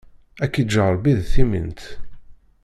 Ad k-iǧǧ Ṛebbi d timint!